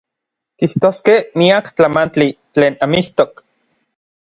Kijtoskej miak tlamantli tlen amijtok.